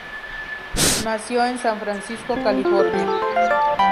Nació en San Francisco, California.